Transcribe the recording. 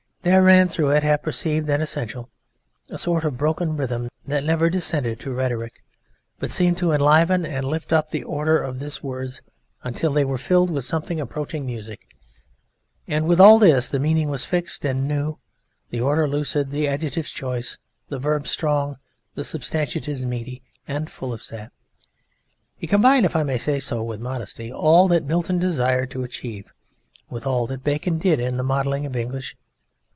There ran through it, half perceived and essential, a sort of broken rhythm that never descended to rhetoric, but seemed to enliven and lift up the order of the words until they were filled with something approaching music; and with all this the meaning was fixed and new, the order lucid, the adjectives choice, the verbs strong, the substantives meaty and full of sap. It combined (if I may say so with modesty) all that Milton desired to achieve, with all that Bacon did in the modelling of English....